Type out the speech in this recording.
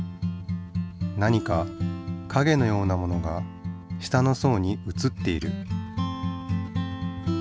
何かかげのようなものが下の層にうつっている。